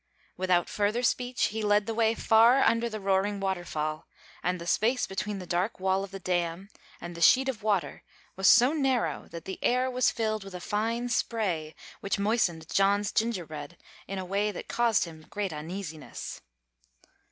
Without further speech he led the way far under the roaring waterfall; and the space between the dark wall of the dam and the sheet of water was so narrow that the air was filled with a fine spray, which moistened John's gingerbread in a way that caused him great uneasiness.